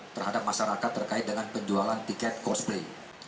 terhadap masyarakat terkait dengan penjualan tiket coldplay